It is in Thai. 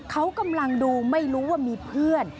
เขากำลังดูไม่รู้ว่ามีเพื่อน